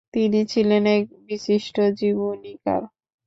তিনি ছিলেন এক বিশিষ্ট জীবনীকার।